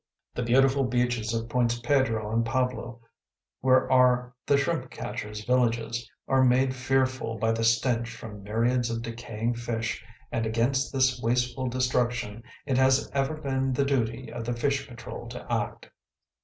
The beautiful beaches of Points Pedro and Pablo, where are the shrimp catchers’ villages, are made fearful by the stench from myriads of decaying fish, and against this wasteful destruction it has ever been the duty of the fish patrol to act.